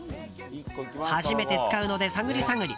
初めて使うので探り探り。